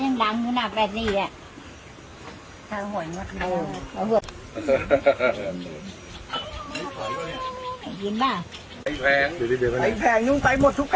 และเป้าหมายถือดูอย่างสุดทุกท่าชีวิต